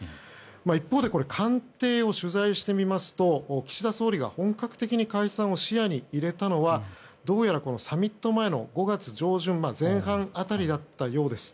一方で官邸を取材してみますと岸田総理が本格的に解散を視野に入れたのはどうやら、サミット前の５月上旬前半辺りだったようです。